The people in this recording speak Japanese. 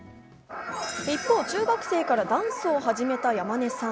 一方、中学生からダンスを始めた山根さん。